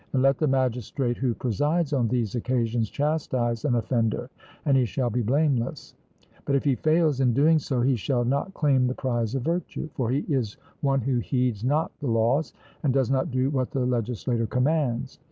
And let the magistrate who presides on these occasions chastise an offender, and he shall be blameless; but if he fails in doing so, he shall not claim the prize of virtue; for he is one who heeds not the laws, and does not do what the legislator commands.